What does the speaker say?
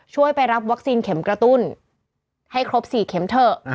ไปรับวัคซีนเข็มกระตุ้นให้ครบ๔เข็มเถอะ